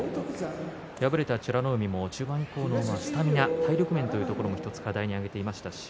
敗れた美ノ海も中盤以降のスタミナ、体力面というところも１つ課題が出ていましたし。